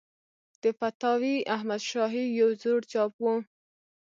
د فتاوی احمدشاهي یو زوړ چاپ و.